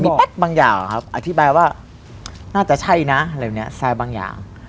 มันเหมือนมีแป๊บบางอย่างครับอธิบายว่าน่าจะใช่นะอะไรแบบนี้แซมบางอย่าง